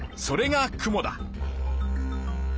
それが雲だ。